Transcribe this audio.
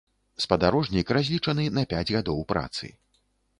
Спадарожнік разлічаны на пяць гадоў працы.